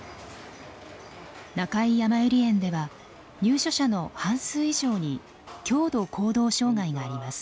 中井やまゆり園では入所者の半数以上に強度行動障害があります。